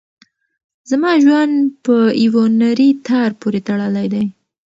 زما ژوند په یوه نري تار پورې تړلی دی.